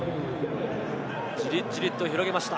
じりじりと広げました。